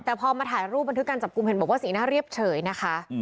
แต่พอมาถ่ายรูปบันทึกการจับกลุ่มเห็นบอกว่าสีหน้าเรียบเฉยนะคะ